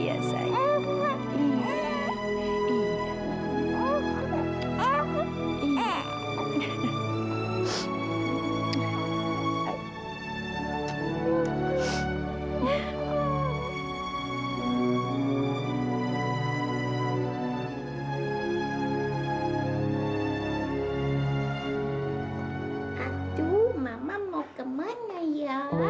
aduh mama mau kemana ya